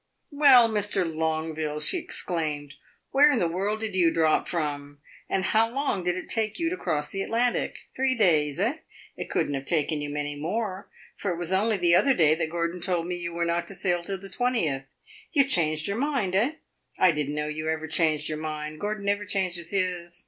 "Well, Mr. Longueville," she exclaimed, "where in the world did you drop from, and how long did it take you to cross the Atlantic? Three days, eh? It could n't have taken you many more, for it was only the other day that Gordon told me you were not to sail till the 20th. You changed your mind, eh? I did n't know you ever changed your mind. Gordon never changes his.